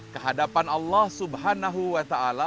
kehadapan allah swt